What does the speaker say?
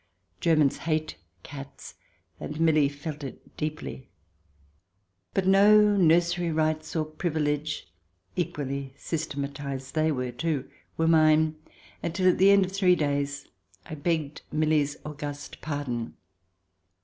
Germans hate cats ; and Milly felt it deeply. But no nursery rights or privileges — equally systematized they were, too — were mine until, at the end of three days, I begged Milly's august pardon.